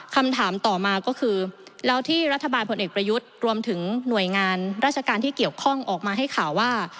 คำถามต่อมาก็คือแล้วที่รัฐบาลพลเอกประยุทธ์รวมถึงหน่วยงานราชการที่เกี่ยวข้องออกมาให้ข่าวว่า